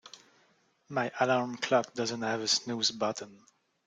My alarm clock doesn't have a snooze button.